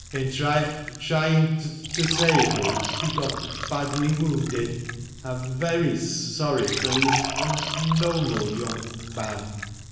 In try ying to o save me he got b badly wounded. I'm v very s sorry, for he is a n noble y young man."